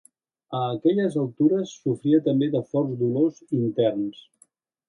A aquelles altures sofria també de forts dolors interns